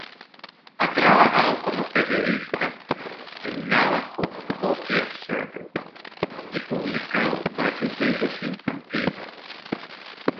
Ha trabajado como periodista del "Navajo Hopi Observer" y publicado varios libros infantiles.